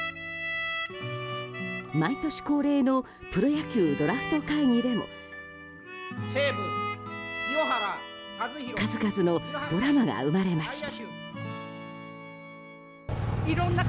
毎年恒例のプロ野球ドラフト会議でも数々のドラマが生まれました。